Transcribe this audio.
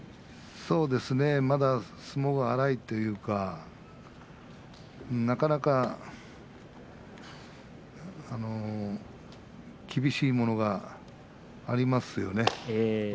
そうですねまだ相撲が粗いというかなかなか厳しいものがありますよね。